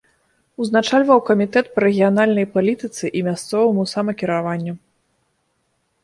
Узначальваў камітэт па рэгіянальнай палітыцы і мясцоваму самакіраванню.